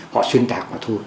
họ xuyên tạc